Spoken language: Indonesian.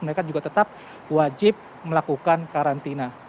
mereka juga tetap wajib melakukan karantina